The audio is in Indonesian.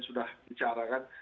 sudah bicara kan